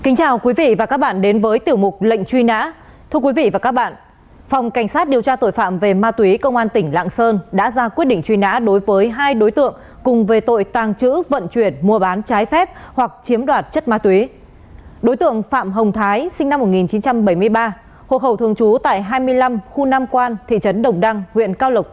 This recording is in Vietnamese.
hãy đăng ký kênh để ủng hộ kênh của chúng mình nhé